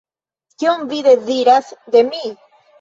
Kion Vi deziras de mi?